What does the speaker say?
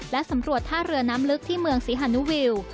และสำรวจท่าเรือน้ำลึกที่เมืองศรีฮานุวิว